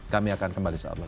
kami akan kembali saat lain